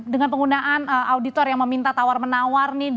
dengan penggunaan auditor yang meminta tawar menawar nih